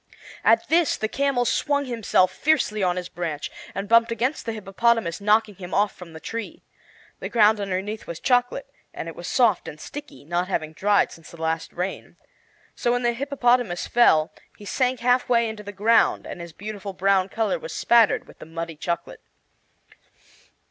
At this the camel swung himself fiercely on his branch, and bumped against the hippopotamus, knocking him off from the tree. The ground underneath was chocolate, and it was soft and sticky, not having dried since the last rain. So when the hippopotamus fell he sank half way into the ground, and his beautiful brown color was spattered with the muddy chocolate.